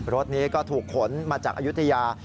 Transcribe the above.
รถนี้ก็ถูกขนมาจากอายุทยา